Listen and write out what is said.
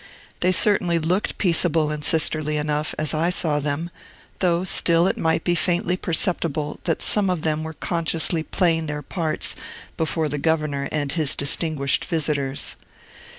They certainly looked peaceable and sisterly enough, as I saw them, though still it might be faintly perceptible that some of them were consciously playing their parts before the governor and his distinguished visitors.